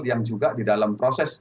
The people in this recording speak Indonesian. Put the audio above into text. yang juga di dalam proses